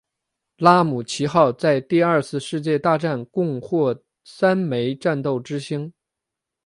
拉姆齐号在第二次世界大战共获三枚战斗之星。